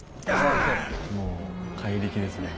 もう怪力ですね。